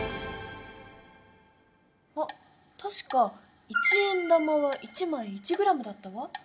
あたしか一円玉は１枚１ｇだったわ。